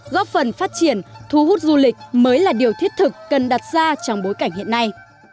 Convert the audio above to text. góp phần phát triển thu hút du lịch mới là điều thiết thực cần đặt ra trong bối cảnh hiện nay